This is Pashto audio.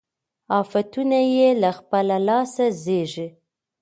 آفتونه یې له خپله لاسه زېږي